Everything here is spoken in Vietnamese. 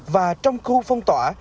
và trong khu phong tỏa